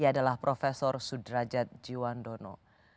ia adalah prof sudrajat jiwandono